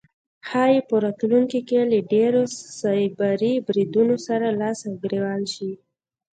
ښایي په راتلونکی کې له لا ډیرو سایبري بریدونو سره لاس او ګریوان شي